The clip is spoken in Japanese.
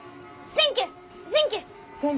センキュー！